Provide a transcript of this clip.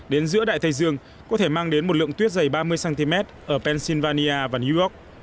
đến giữa đại tây dương có thể mang đến một lượng tuyết dày ba mươi cm ở pennsylvania và new york